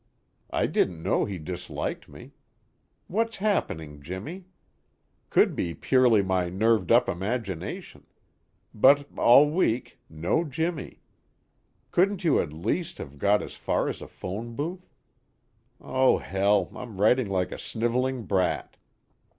I didn't know he disliked me. What's happening, Jimmy? Could be purely my nerved up imagination. But all week, no Jimmy. Couldn't you at least have got as far as a phone booth? Oh hell, I'm writing like a sniveling brat.